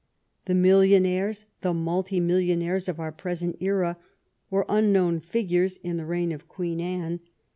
The millionaires, the multi million aires, of our present era, were unknown figures in the reign of Queen Anne.